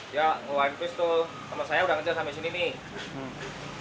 dia ngeluarin pistol sama saya udah ngejar sampe sini nih